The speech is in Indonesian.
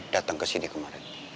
datang kesini kemarin